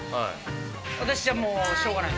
私じゃあもうしょうがない。